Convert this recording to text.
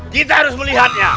kita harus melihatnya